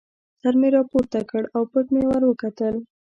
سر مې را پورته کړ او پټ مې ور وکتل.